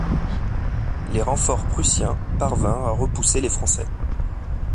Les renforts prussiens parvinrent à repousser les Français.